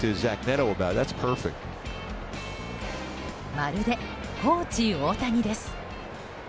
まるで、コーチ大谷です。